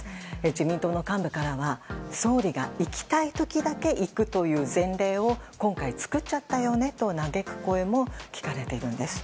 自民党の幹部からは総理が行きたい時だけ行くという前例を今回作っちゃったよねと嘆く声も聞かれているんです。